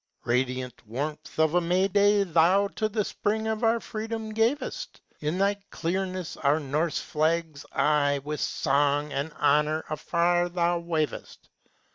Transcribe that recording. Radiant warmth of a May day Thou to the spring of our freedom gavest. In thy clearness our Norse flags aye With song and honor afar thou wavest.